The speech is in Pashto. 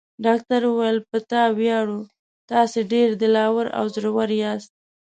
ډاکټر وویل: په تا ویاړو، تاسي ډېر دل اور او زړور یاست.